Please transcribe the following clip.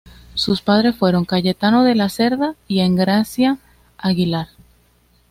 Sus padres fueron Cayetano de la Cerda y Engracia Aguilar.